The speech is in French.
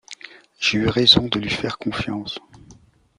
J'ai eu raison de lui faire confiance.